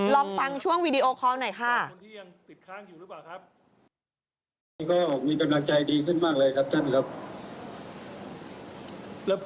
ลองฟังช่วงวีดีโอคอลหน่อยค่ะ